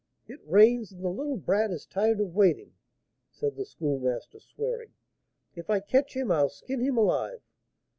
'It rains, and the little brat is tired of waiting,' said the Schoolmaster, swearing; 'if I catch him, I'll skin him alive!'